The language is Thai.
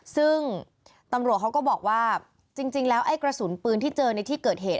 ซึ่งตำรวจเขาก็บอกว่าจริงแล้วไอ้กระสุนปืนที่เจอในที่เกิดเหตุ